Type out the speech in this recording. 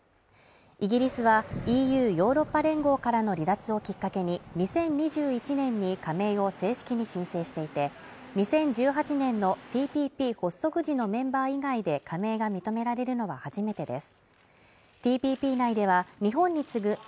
イギリスはＥＵ＝ヨーロッパ連合からの離脱をきっかけに、２０２１年に加盟を正式に申請していて、２０１８年のＴＰＰ発足時のメンバー以外で加盟が認められるのは初めてです。